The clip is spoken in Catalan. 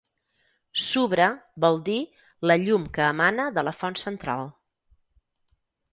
"Subra" vol dir "la llum que emana de la font central".